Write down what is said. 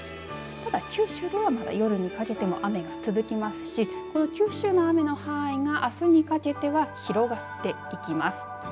ただ、九州では夜にかけてまだ雨が続きますしこの九州の雨の範囲があすにかけては広がっていきます。